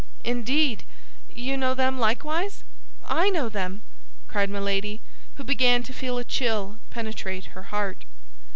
"Indeed! you know them likewise? I know them," cried Milady, who began to feel a chill penetrate her heart.